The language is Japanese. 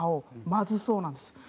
まずそうなんですよ。